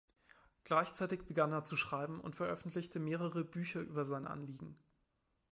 Gleichzeitig begann er zu schreiben und veröffentlichte mehrere Bücher über sein Anliegen.